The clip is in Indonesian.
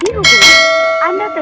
anda terhubung dengan layanan voicemail